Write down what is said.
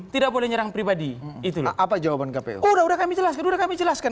tidak boleh nyerang pribadi itulah apa jawaban kpu udah udah kami jelaskan udah kami jelaskan